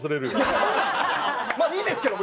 まあいいですけど！